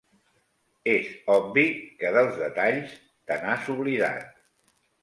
És obvi que, dels detalls, te n'has oblidat.